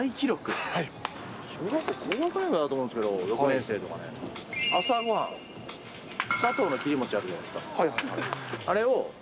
小学校高学年ぐらいだと思うんですけど、６年生とかね、朝ごはん、サトウの切り餅あるじゃないですか。